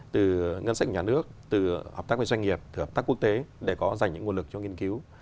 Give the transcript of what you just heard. từ ngân sách của nhà nước từ hợp tác với doanh nghiệp từ hợp tác quốc tế để có dành những nguồn lực cho nghiên cứu